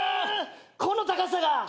この高さが。